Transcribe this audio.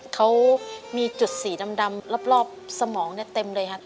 เขามีจุดสีดำรอบสมองเต็มเลยค่ะ